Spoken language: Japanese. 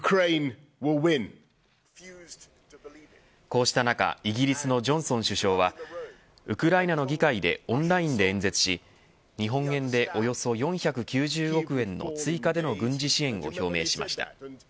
こうした中イギリスのジョンソン首相はウクライナの議会でオンラインで演説し日本円でおよそ４９０億円の追加での軍事支援を表明しました。